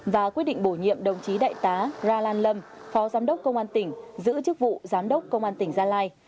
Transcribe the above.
và quyết định bổ nhiệm đồng chí đại tá ra lan lâm phó giám đốc công an tỉnh giữ chức vụ giám đốc công an tỉnh gia lai